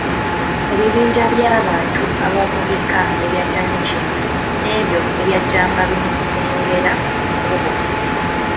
Ebibinja by'abantu ab'omu bika ebyajja ne Kintu, n'ebyo ebyajjanga bimusengera mu kkubo.